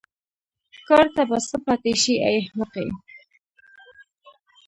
کار ته به څه پاتې شي ای احمقې.